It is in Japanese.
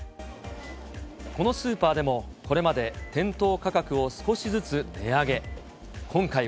このスーパーでも、これまで店頭価格を少しずつ値上げ。